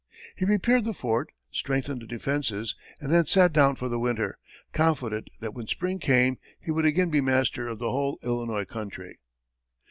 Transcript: He repaired the fort, strengthened the defenses, and then sat down for the winter, confident that when spring came, he would again be master of the whole Illinois country.